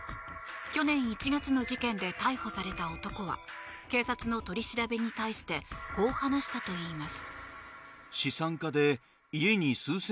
去年１月の事件で逮捕された男は警察の取り調べに対してこう話したといいます。